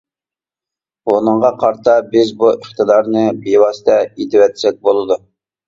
بۇنىڭغا قارىتا بىز بۇ ئىقتىدارنى بىۋاسىتە ئېتىۋەتسەك بولىدۇ.